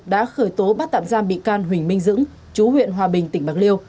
đã khởi tố bắt tạm giam bị can huỳnh minh dưỡng chú huyện hòa bình tỉnh bạc liêu